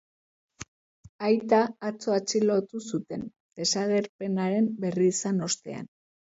Aita atzo atxilotu zuten, desagerpenaren berri izan ostean.